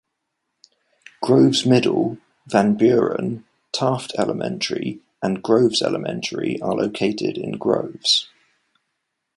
Groves Middle, Van Buren, Taft elementary, and Groves elementary are located in Groves.